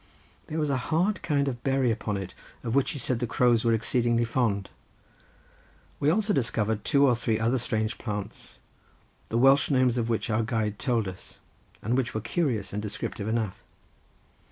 There was a hard kind of berry upon it, of which he said the crows were exceedingly fond. We also discovered two or three other strange plants, the Welsh names of which our guide told us, and which were curious and descriptive enough.